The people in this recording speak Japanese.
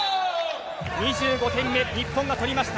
２５点目、日本が取りました。